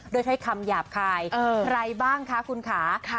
ด้วยท่อยคำหยาบคายเออใครบ้างคะคุณคะค่ะ